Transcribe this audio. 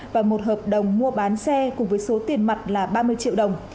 và một hợp đồng mua bán xe cùng với số tiền mặt là ba mươi triệu đồng